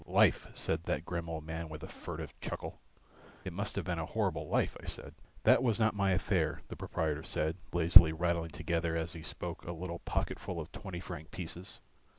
"Life," said that grim old man with a furtive chuckle. "It must have been a horrible life," I said. "That was not my affair," the proprietor said, lazily rattling together as he spoke a little pocketful of twenty franc pieces.